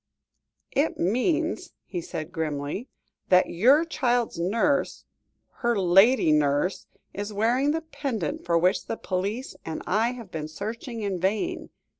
"It means," he said grimly, "that your child's nurse her lady nurse is wearing the pendant for which the police and I have been searching in vain.